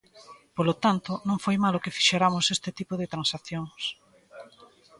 Polo tanto, non foi malo que fixeramos este tipo de transaccións.